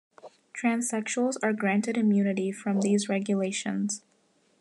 Transsexuals are granted immunity from these regulations.